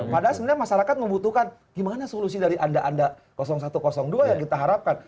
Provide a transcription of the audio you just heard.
padahal sebenarnya masyarakat membutuhkan gimana solusi dari anda anda satu dua yang kita harapkan